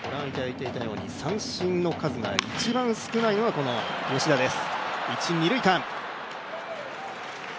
三振の数が一番少ないのがこの吉田です。